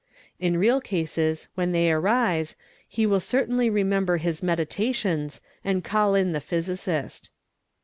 In real cases when they arise he will certainly remember his — meditations and call in the physicist.